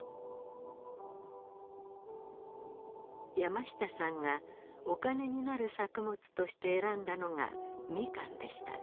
山下さんがお金になる作物として選んだのがミカンでした。